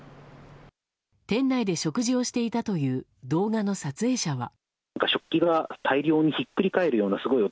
店内で食事をしていたという動画の撮影者は。